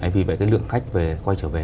vì vậy lượng khách quay trở về